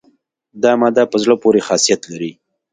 دا ماده په زړه پورې خاصیت لري.